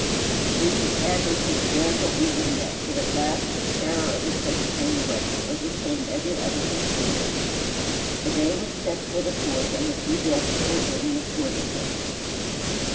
Prudence Ann was hysterical even yet, but at last her terror of a postponed wedding overcame every other consideration. The day was set for the 4th, and the few guests were bidden accordingly.